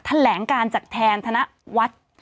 แถลงการจากแทนธนวัฒน์